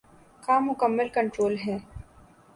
کا مکمل کنٹرول ہے۔